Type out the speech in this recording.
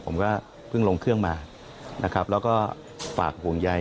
ผมก็เพิ่งลงเครื่องมาและก็ฝากห่วงใย